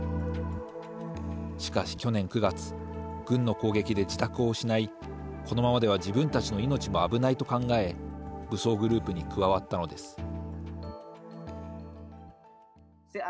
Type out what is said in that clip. しかし去年９月軍の攻撃で自宅を失いこのままでは自分たちの命も危ないと考え武装グループに加わったのです。